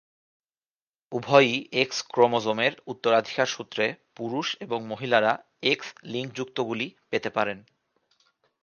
উভয়ই এক্স ক্রোমোজোমের উত্তরাধিকার সূত্রে পুরুষ এবং মহিলারা এক্স-লিঙ্কযুক্তগুলি পেতে পারেন।